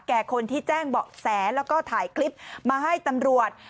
คนที่แจ้งเบาะแสแล้วก็ถ่ายคลิปมาให้ตำรวจ